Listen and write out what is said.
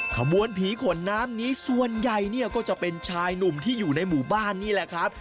ขบวนผีขนน้ำนี้ส่วนใหญ่เนี่ยก็จะเป็นชายหนุ่มที่อยู่ในหมู่บ้านนี่แหละครับ